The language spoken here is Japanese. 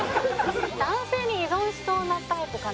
男性に依存しそうなタイプかな。